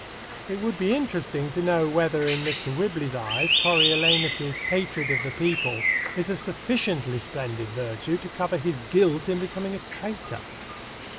It would be interesting to know whether in Mr. Whibley's eyes Coriolanus's hatred of the people is a sufficiently splendid virtue to cover his guilt in becoming a traitor.